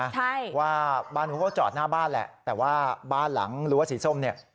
ใช่ว่าบ้านเขาก็จอดหน้าบ้านแหละแต่ว่าบ้านหลังรั้วสีส้มเนี่ย